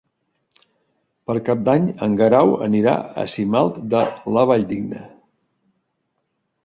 Per Cap d'Any en Guerau anirà a Simat de la Valldigna.